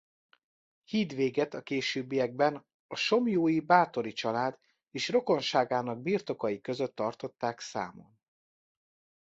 Hídvéget a későbbiekben a Somlyói Báthori-család és rokonságának birtokai között tartották számon.